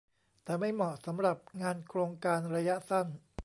แต่ไม่เหมาะสำหรับงานโครงการระยะสั้น